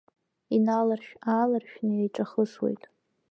Иналаршә-ааларшәаны еиҿахысуеит.